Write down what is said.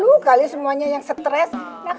sepuluh kali semuanya yang stres